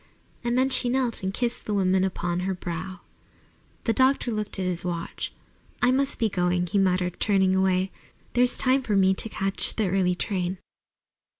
And then she knelt and kissed the woman upon her brow. The doctor looked at his watch. "I must be going," he muttered, turning away. "There's time for me to catch the early train."